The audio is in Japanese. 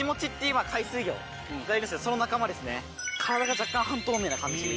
体が若干半透明な感じ。